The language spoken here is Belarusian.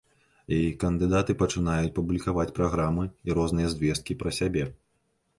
І кандыдаты пачынаюць публікаваць праграмы і розныя звесткі пра сябе.